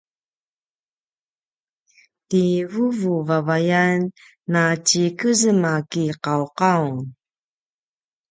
ti vuvu vavayan na tjikezem a kiqauqaung